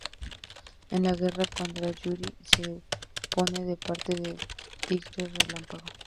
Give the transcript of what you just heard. En la guerra contra Yuri, se pone de parte de Tigre Relámpago.